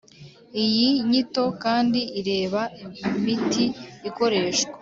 Iyi nyito kandi ireba imiti ikoreshwa